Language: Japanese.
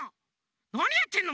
なにやってんの！？